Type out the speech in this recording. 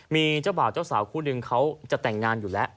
มีเจ้าบ่าวเจ้าสาวคู่นึงเขาจะแต่งงานอยู่แล้ว